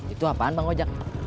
itu apaan bang gojak